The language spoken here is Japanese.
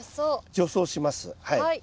除草します。